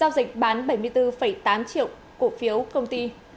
giao dịch bán bảy mươi bốn tám triệu cổ phiếu công ty